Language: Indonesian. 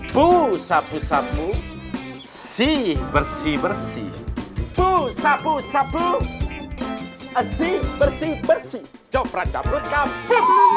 pusapu sapu si bersih bersih pusapu sapu bersih bersih copra capru kabung